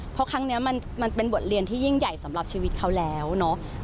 เพราะครั้งนี้มันเป็นบทเรียนที่ยิ่งใหญ่สำหรับชีวิตเขาแล้วเนาะ